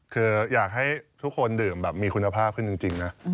คืออยากให้ทุกคนดื่มแบบมีคุณภาพขึ้นจริงนะ